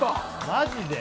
マジで？